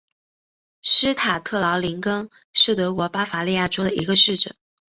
施塔特劳林根是德国巴伐利亚州的一个市镇。